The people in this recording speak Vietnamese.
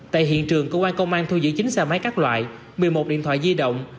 tại hiện trường cơ quan công an thu giữ chín xe máy các loại một mươi một điện thoại di động